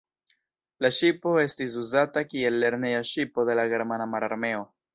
La ŝipo estis uzata kiel lerneja ŝipo de la Germana Mararmeo.